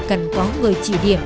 cần có người chỉ điểm